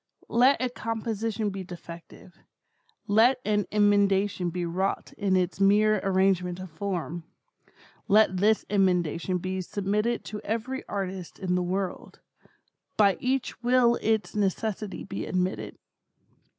Let a composition be defective; let an emendation be wrought in its mere arrangement of form; let this emendation be submitted to every artist in the world; by each will its necessity be admitted.